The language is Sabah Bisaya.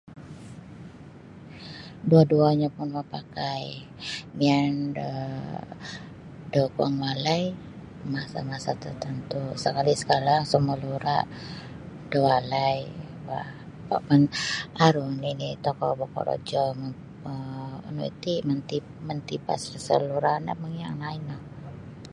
Duo-duonyo pun mapakai miyan da daguang walai masa-masa tertantu' sakali' sakala sumalura' da walai bah um pun aru nini' tokou bokorojo um nu iti mantibas da salura' no mangiyang no ino.